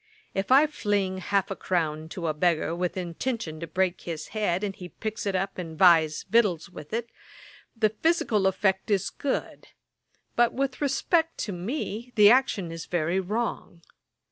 If I fling half a crown to a beggar with intention to break his head, and he picks it up and buys victuals with it, the physical effect is good; but, with respect to me, the action is very wrong.